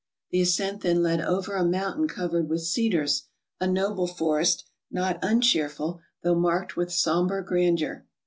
The ascent then led over a mountain covered with cedars, a noble forest, not uncheerful, though marked with sombre grandeur.